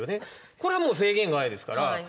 これはもう制限ないですから。